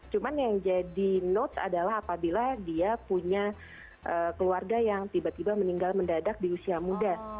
cuma yang jadi notes adalah apabila dia punya keluarga yang tiba tiba meninggal mendadak di usia muda